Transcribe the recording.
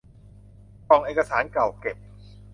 กล่องเอกสารเก่าเก็บ